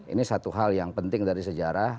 ini satu hal yang penting dari sejarah